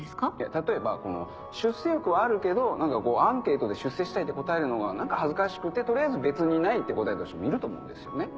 例えば出世欲はあるけどアンケートで出世したいって答えるのが何か恥ずかしくて取りあえず「別にない」って答えた人もいると思うんですよね。